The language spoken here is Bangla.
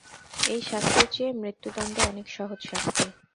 এই শাস্তির চেয়ে মৃত্যুদণ্ড অনেক সহজ শাস্তি।